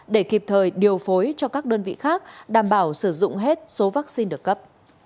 để kịp thời điều phối cho các đơn vị khác đảm bảo sử dụng hết số vaccine được cấp